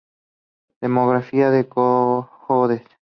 Demografía de Cojedes